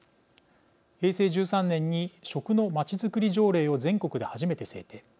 平成１３年に食のまちづくり条例を全国で初めて制定。